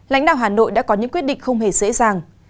lãnh đạo hà nội đã có những quyết định không hề dễ dàng